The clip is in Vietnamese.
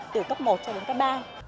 từ cấp một cho đến cấp ba